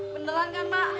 beneran kan mak